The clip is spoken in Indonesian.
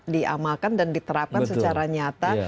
diamalkan dan diterapkan secara nyata